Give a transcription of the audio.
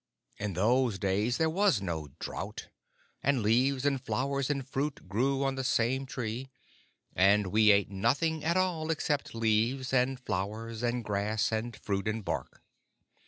In those days there was no drought, and leaves and flowers and fruit grew on the same tree, and we ate nothing at all except leaves and flowers and grass and fruit and bark."